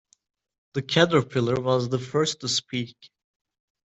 The Caterpillar was the first to speak.